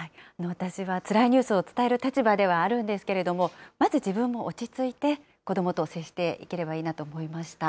私はつらいニュースを伝える立場ではあるんですけれども、まず自分も落ち着いて、子どもと接していければいいなと思いました。